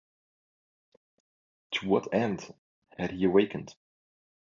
To what end had he awakened?